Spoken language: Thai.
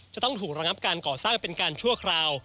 จะต้องถูกระงับการก่อสร้างเป็นการชั่วคราว